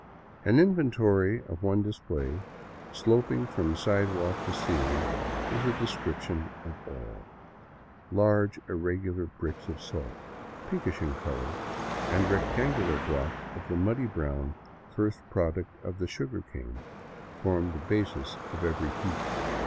An inventory of one display, sloping from sidewalk to ceiling, is a description of all. Large, irregular bricks of salt, pink ish in color, and rectangular blocks of the muddy brown first product of the sugar cane, form the basis of every^heap.